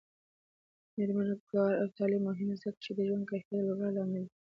د میرمنو کار او تعلیم مهم دی ځکه چې ژوند کیفیت لوړولو لامل دی.